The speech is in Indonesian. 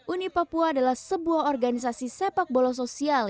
uni papua adalah sebuah organisasi sepak bola sosial